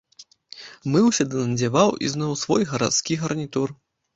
Мыўся ды надзяваў ізноў свой гарадскі гарнітур.